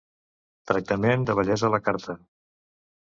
Tractaments de bellesa a la carta.